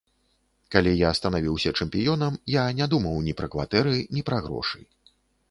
Калі я станавіўся чэмпіёнам, я не думаў ні пра кватэры, ні пра грошы.